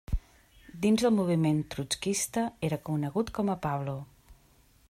Dins el moviment trotskista, era conegut com a Pablo.